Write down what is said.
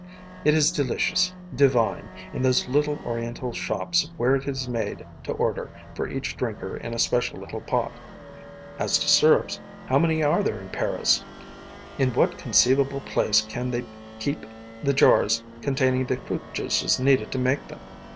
It is delicious, divine, in those little Oriental shops where it is made to order for each drinker in a special little pot. As to syrups, how many are there in Paris? In what inconceivable place can they keep the jars containing the fruit juices needed to make them?